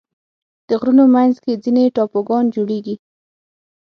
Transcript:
د غرونو منځ کې ځینې ټاپوګان جوړېږي.